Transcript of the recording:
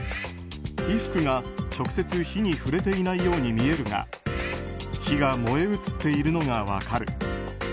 衣服が直接火に触れていないように見えるが火が燃え移っているのが分かる。